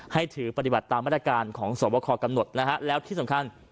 ให้ถือปฏิบัติตามมาตรการของสวบคอกำหนดนะฮะแล้วที่สำคัญ